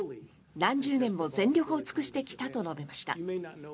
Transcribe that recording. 何十年も全力を尽くしてきたと述べました。